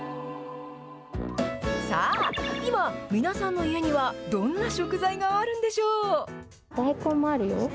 さあ、今、皆さんの家には、どんな食材があるんでしょう？